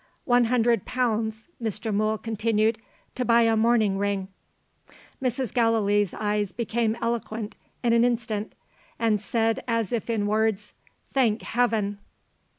"One hundred pounds," Mr. Mool continued, "to buy a mourning ring."' Mrs. Gallilee's eyes became eloquent in an instant, and said as if in words, "Thank Heaven!"